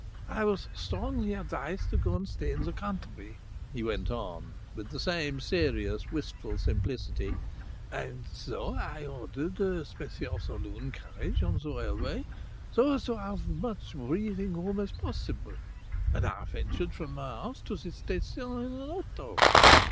"I was strongly advised to go and stay in the country," he went on, with the same serious, wistful simplicity, "and so I ordered a special saloon carriage on the railway, so as to have as much breathing room as possible; and I ventured from my house to this station in an auto.